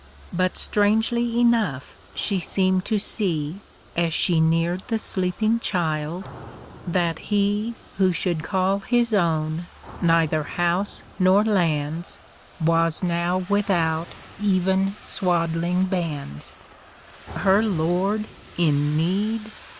33 But stranj^cly cnou<jh she seemed to see, As she neared the sleeping child, that I le Who sliould call his own neither liouse nor lands Was now without even swaddlinfi^ bands. Her Lord in need